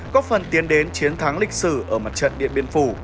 có phần tiến đến chiến thắng lịch sử ở mặt trận điện biên phủ